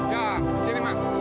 ya sini mas